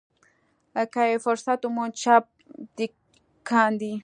که یې فرصت وموند چاپ دې کاندي.